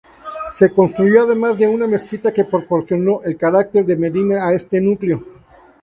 Se construyó además una mezquita que proporcionó el carácter de medina a este núcleo.